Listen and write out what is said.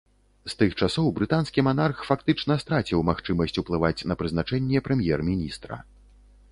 З тых часоў брытанскі манарх фактычна страціў магчымасць уплываць на прызначэнне прэм'ер-міністра.